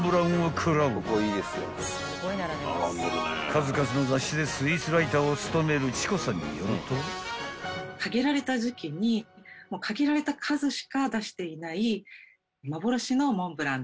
［数々の雑誌でスイーツライターを務めるｃｈｉｃｏさんによると］限られた数しか出していない。